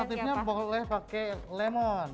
ini otomotifnya boleh pakai lemon